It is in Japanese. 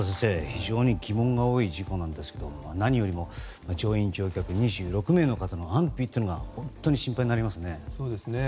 非常に疑問が多い事故なのですが何よりも乗員・乗客２６名の方の安否が本当に心配になりますね。